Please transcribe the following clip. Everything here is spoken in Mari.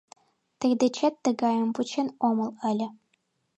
Тый дечет тыгайым вучен омыл ыле!..